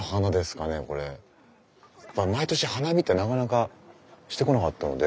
毎年花見ってなかなかしてこなかったので。